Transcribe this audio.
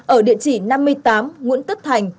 ở địa chỉ năm mươi tám nguyễn tức thành